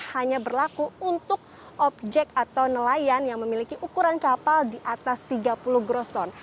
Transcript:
hanya berlaku untuk objek atau nelayan yang memiliki ukuran kapal di atas tiga puluh groston